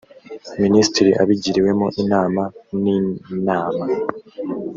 minisitiri abigiriwemo inama n inama